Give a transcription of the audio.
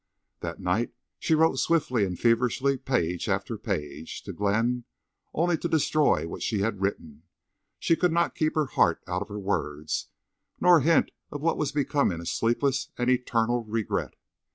That night she wrote swiftly and feverishly, page after page, to Glenn, only to destroy what she had written. She could not keep her heart out of her words, nor a hint of what was becoming a sleepless and eternal regret.